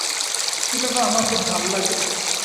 চিকাগো আমার খুব ভাল লাগে।